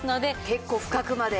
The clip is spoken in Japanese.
結構深くまで。